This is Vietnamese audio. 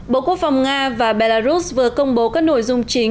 bộ quốc phòng nga và belarus vừa công bố các nội dung chính